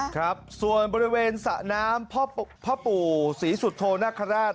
ครับส่วนบริเวณสระน้ำพ่อปู่ศรีสุโธนาคาราช